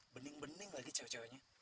bening bening lagi cewek ceweknya